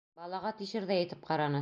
Балаға тишерҙәй итеп ҡараны.